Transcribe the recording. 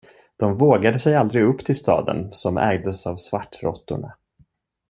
De vågade sig aldrig upp till staden, som ägdes av svartråttorna.